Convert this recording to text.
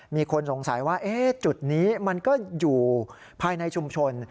มีคนสงสัยว่าจุดนี้มันก็อยู่ภายในชุมชน